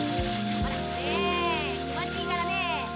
ほらねえきもちいいからね。